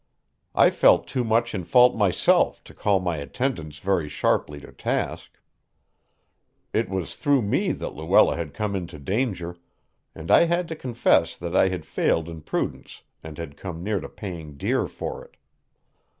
I felt too much in fault myself to call my attendants very sharply to task. It was through me that Luella had come into danger, and I had to confess that I had failed in prudence and had come near to paying dear for it.